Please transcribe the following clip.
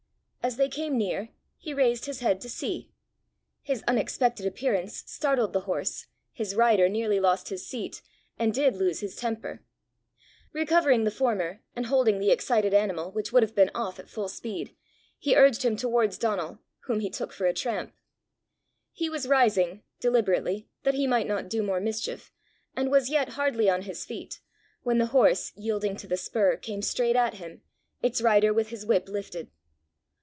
As they came near, he raised his head to see. His unexpected appearance startled the horse, his rider nearly lost his seat, and did lose his temper. Recovering the former, and holding the excited animal, which would have been off at full speed, he urged him towards Donal, whom he took for a tramp. He was rising deliberately, that he might not do more mischief, and was yet hardly on his feet, when the horse, yielding to the spur, came straight at him, its rider with his whip lifted.